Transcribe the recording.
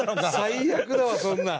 最悪だわそんなん。